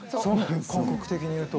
感覚的に言うと。